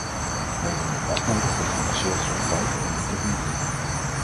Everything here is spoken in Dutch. We hebben een debat nodig dat gebaseerd is op feiten en niet op mythen.